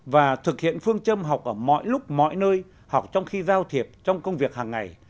và thực hiện phương châm học ở mọi lúc mọi nơi học trong khi giao thiệp trong công việc hàng ngày